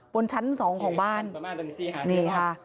บนชั้นสองของบ้านนี่ค่ะ